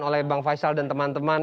oleh bang faisal dan teman teman